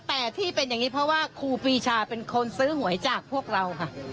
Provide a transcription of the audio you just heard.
แต่ที่เป็นอย่างนี้เพราะว่า